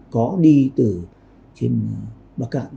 có đi từ trên bắc cạn